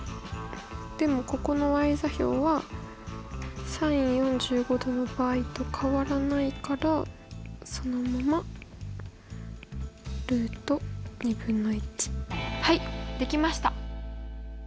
でもここの座標はｓｉｎ４５°の場合と変わらないからそのままルート２分の１。はいできました。